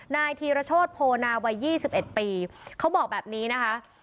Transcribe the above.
นายธีรโชธโพนาวัย๒๑ปีเขาบอกแบบนี้นะคะ